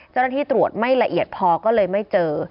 เจ้าหน้าที่ตรวจไม่ละเอียดพอก็เลยไม่เจอ